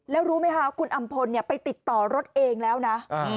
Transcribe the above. แล้วรู้ไหมคะคุณอำพลไปติดต่อรถเองแล้วนะ